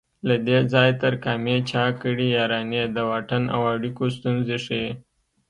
له دې ځای تر کامې چا کړي یارانې د واټن او اړیکو ستونزې ښيي